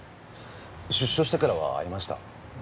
出所してからは会いました？